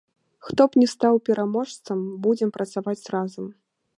Хто б ні стаў пераможцам, будзем працаваць разам.